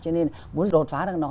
cho nên muốn đột phá được nó